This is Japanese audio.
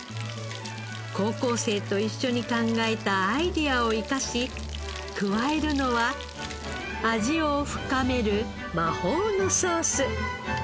高校生と一緒に考えたアイデアを生かし加えるのは味を深める魔法のソース。